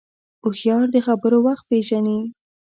هوښیار د خبرو وخت پېژني